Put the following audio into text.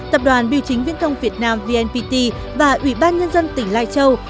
tập đoàn biểu chính viễn thông việt nam vnpt và ủy ban nhân dân tỉnh lai châu